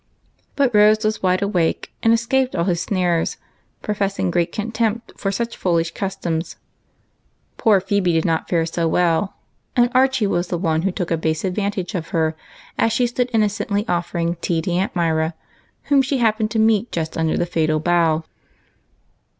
But Rose was wide awake, and escaped all his snares, professing great contempt for such foolish customs. Poor Phebe did not fare so well, and Archie was the one who took a base advantage of her as she stood innocently offering tea to Aunt Myra, whom she happened to meet just under the fatal bough.